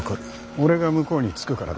俺が向こうにつくからだ。